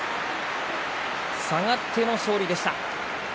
下がっての勝利でした。